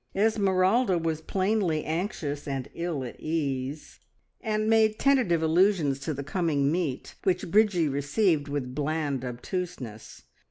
Esmeralda was plainly anxious and ill at ease, and made tentative allusions to the coming meet, which Bridgie received with bland obtuseness.